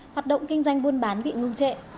hoạt động kinh doanh buôn bán bị ngưng trệ